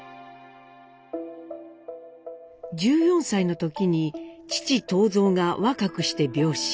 １４歳の時に父東蔵が若くして病死。